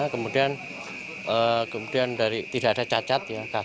kemudian tidak ada cacat kaki